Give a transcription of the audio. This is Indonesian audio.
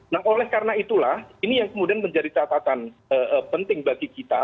nah oleh karena itulah ini yang kemudian menjadi catatan penting bagi kita